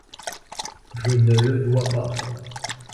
Je ne le dois pas.